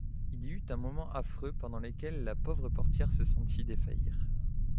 Il y eut un moment affreux pendant lequel la pauvre portière se sentit défaillir.